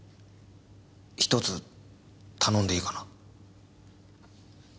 １つ頼んでいいかな？